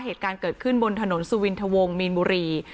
เหตุการณ์เกิดขึ้นบนถนนสุวินทวงมีนบุรี